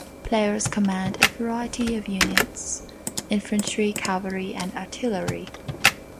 Players command a variety of units: infantry, cavalry, and artillery.